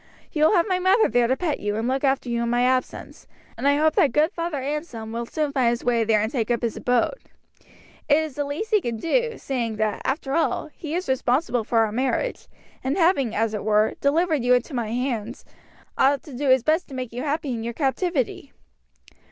You will have my mother there to pet you and look after you in my absence, and I hope that good Father Anselm will soon find his way there and take up his abode. It is the least he can do, seeing that, after all, he is responsible for our marriage, and having, as it were, delivered you into my hands, ought to do his best to make you happy in your captivity."